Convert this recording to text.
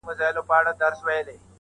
اې ه څنګه دي کتاب له مخه ليري کړم؟